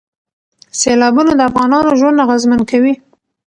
سیلابونه د افغانانو ژوند اغېزمن کوي.